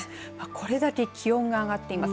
これだけ気温が上がっています。